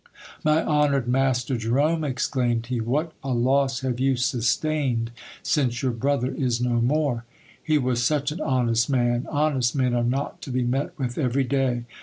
My honoured master Jerome, exclaimed he, what a loss have you sustained, since your brother is no more ! He was such an honest man. Honest men are not to be met with every day.